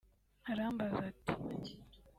… Arambaza ati